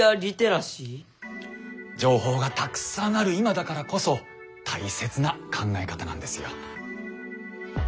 情報がたくさんある今だからこそ大切な考え方なんですよ。